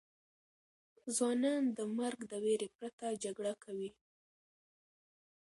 ځوانان د مرګ د ویرې پرته جګړه کوي.